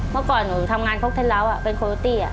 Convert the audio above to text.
เมื่อก่อนหนูทำงานคกเทนเล้าเป็นโคโรตี้